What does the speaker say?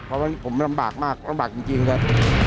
เพราะผมลำบากมากลำบากจริงเชฟ